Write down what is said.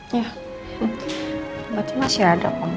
iya obatnya masih ada ma